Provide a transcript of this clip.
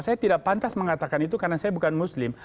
saya tidak pantas mengatakan itu karena saya bukan muslim